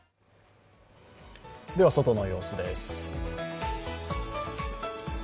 外の様子です。